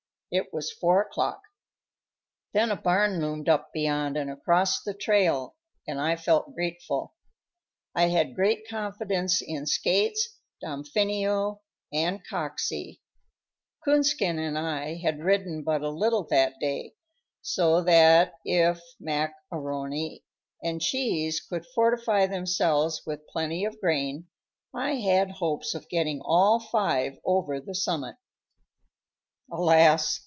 It was four o'clock. Then a barn loomed up beyond and across the trail, and I felt grateful. I had great confidence in Skates, Damfino and Coxey; Coonskin and I had ridden but a little that day, so that, if Mac A'Rony and Cheese could fortify themselves with plenty of grain, I had hopes of getting all five over the summit. Alas!